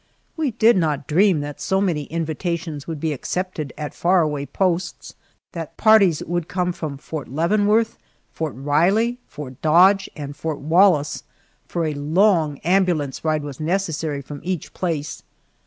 We did not dream that so many invitations would be accepted at far away posts, that parties would come from Fort Leavenworth, Fort Riley, Fort Dodge, and Fort Wallace, for a long ambulance ride was necessary from each place.